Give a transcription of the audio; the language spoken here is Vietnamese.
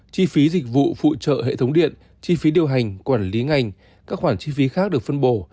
chi phí dịch vụ phụ trợ hệ thống điện chi phí điều hành quản lý ngành các khoản chi phí khác được phân bổ